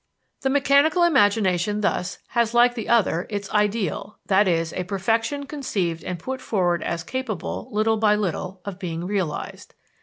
The mechanical imagination thus has like the other its ideal, i.e., a perfection conceived and put forward as capable, little by little, of being realized.